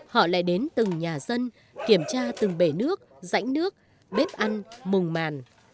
họ lại đến từng nhà dân kiểm tra từng bể nước rãnh nước bếp ăn mùng màn